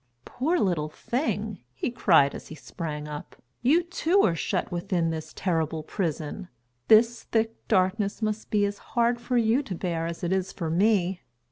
"Poor little thing," he cried as he sprang up, "you too are shut within this terrible prison. This thick darkness must be as hard for you to bear as it is for me."